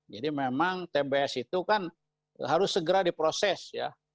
jadi memang tbs itu kan harus segera diproses ya